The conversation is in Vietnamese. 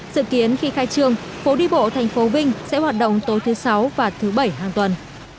dự kiến khi khai trương phố đi bộ tp vinh sẽ hoạt động tối thứ sáu và thứ bảy hàng tuần